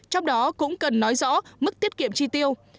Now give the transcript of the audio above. trong đó cũng cần nói rõ mức tiết kiệm chi tiêu